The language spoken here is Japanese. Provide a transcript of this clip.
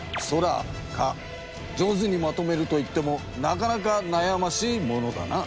上手にまとめるといってもなかなかなやましいものだな。